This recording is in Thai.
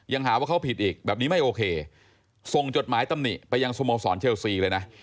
ยังหาว่าเขาผิดอีกแบบนี้ไม่โอเคส่งจดหมายตำหนิไปยังสโมสรเชลซีเลยนะ